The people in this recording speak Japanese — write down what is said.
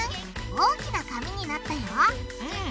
大きな紙になったよ！